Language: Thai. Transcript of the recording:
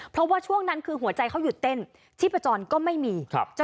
เพราะว่าช่วงนั้นคือหัวใจเขาหยุดเต้นชีพจรก็ไม่มีครับ